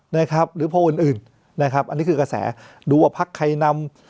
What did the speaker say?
นะครับหรือโพลอื่นนะครับอันนี้คือกระแสดูว่าพักใครนำ